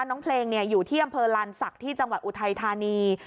น้องเพลงอยู่ที่อำเภอลานศักดิ์ที่จังหวัดอุทัยธานี